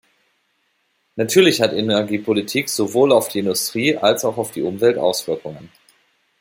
Natürlich hat Energiepolitik sowohl auf die Industrie als auch auf die Umwelt Auswirkungen.